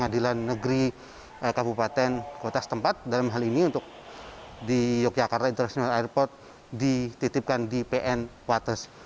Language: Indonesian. pengadilan negeri kabupaten kota setempat dalam hal ini untuk di yogyakarta international airport dititipkan di pn wates